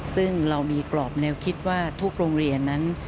ซึ่งเรามีกรอบแนวคิดว่าทุกโรงเรียนนั้น